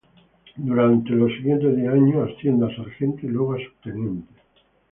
Durante los siguientes diez años asciende a sargento y luego a subteniente.